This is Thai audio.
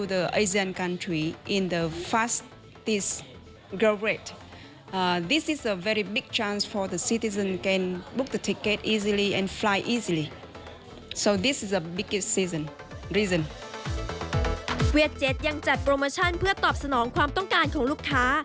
๗๗ยังจัดโปรโมชั่นเพื่อตอบสนองความต้องการของลูกค้า